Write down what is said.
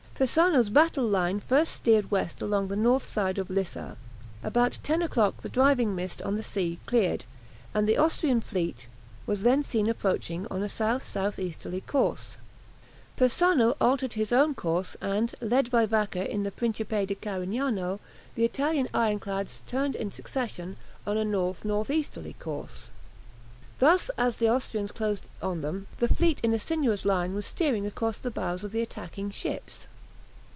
Persano's battle line first steered west along the north side of Lissa. About ten o'clock the driving mist on the sea cleared, and the Austrian fleet was then seen approaching on a S.S.E. course. Persano altered his own course, and, led by Vacca in the "Principe di Carignano," the Italian ironclads turned in succession on a N.N.E. course. Thus as the Austrians closed on them the fleet in a sinuous line was steering across the bows of the attacking ships.